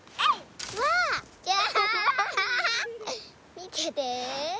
みてて。